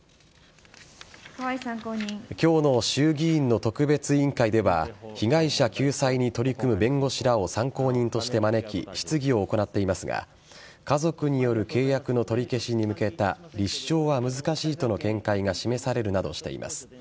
今日の衆議院の特別委員会では被害者救済に取り組む弁護士らを参考人として招き質疑を行っていますが家族による契約の取り消しに向けた立証は難しいとの見解が示されるなどしています。